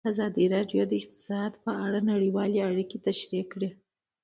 ازادي راډیو د اقتصاد په اړه نړیوالې اړیکې تشریح کړي.